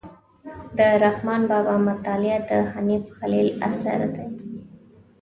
د رحمان بابا مطالعه د حنیف خلیل اثر دی.